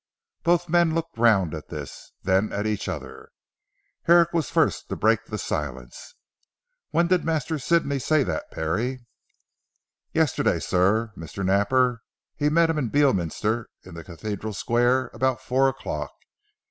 Both men looked round at this. Then at each other. Herrick was the first to break the silence. "When did Master Sidney say that Parry?" "Yesterday sir. Mr. Napper, he met him in Beorminster in the Cathedral Square about four o'clock.